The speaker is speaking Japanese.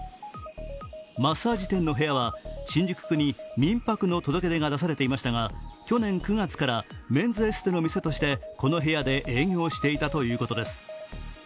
マッサージ店の部屋は新宿区に民泊の届け出が出されていましたが去年９月からメンズエステの店としてこの部屋で営業していたということです。